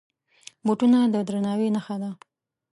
بوټونه د درناوي نښه ده.